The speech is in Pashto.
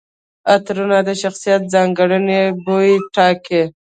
عطرونه د شخصیت ځانګړي بوی ټاکي.